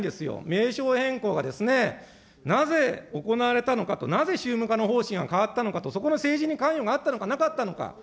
名称変更がですね、なぜ行われたのかと、なぜ宗務課の方針が変わったのかと、そこの政治に関与があったのかなかったのか。